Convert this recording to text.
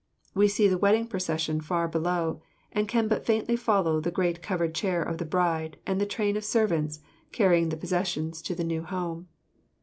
We see the wedding procession far below, and can but faintly follow the great covered chair of the bride and the train of servants carrying the possessions to the new home.